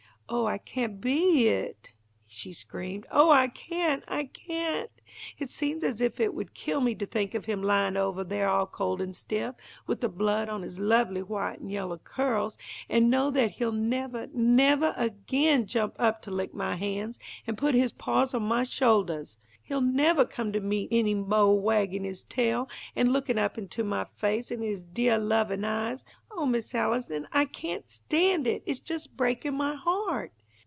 Oh, I can't beah it," she screamed. "Oh, I can't! I can't! It seems as if it would kill me to think of him lyin' ovah there all cold and stiff, with the blood on his lovely white and yellow curls, and know that he'll nevah, nevah again jump up to lick my hands, and put his paws on my shouldahs. He'll nevah come to meet me any moah, waggin' his tail and lookin' up into my face with his deah lovin' eyes. Oh, Miss Allison! I can't stand it! It's just breakin' my heart!"